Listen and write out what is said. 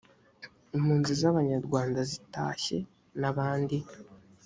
impunzi z abanyarwanda zitashye n abandi